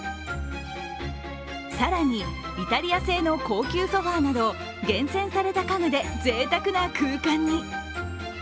更に、イタリア製の高級ソファーなど厳選された家具でぜいたくな空間に。